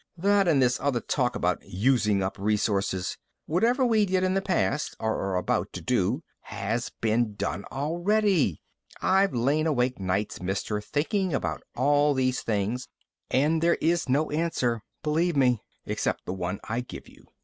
"That and this other talk about using up resources. Whatever we did in the past or are about to do has been done already. I've lain awake nights, mister, thinking about all these things and there is no answer, believe me, except the one I give you.